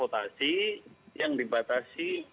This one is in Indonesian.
yang dibatasi yang dibatasi